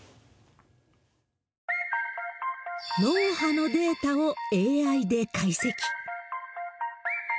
脳波のデータをＡＩで解析。